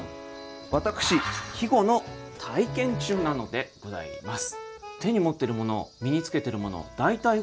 私季語の体験中なのでございます。